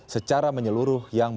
secara menyeluruh yang belum dilakukan